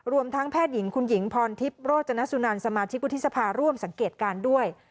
รวมทั้งแพทย์หญิงคุณหญิงพรทิพย์โรจนสุนันสมาชิกวุฒิสภาร่วมสังเกตการณ์ด้วย